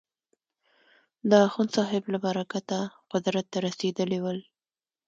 د اخوندصاحب له برکته قدرت ته رسېدلي ول.